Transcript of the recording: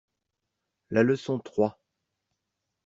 La leçon trois.